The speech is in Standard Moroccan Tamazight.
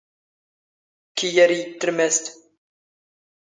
ⴽⵢⵢ ⴰⵔ ⵉⵢⵉ ⵜⵜⵔⵎⴰⵙⴷ.